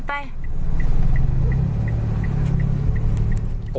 ไปไป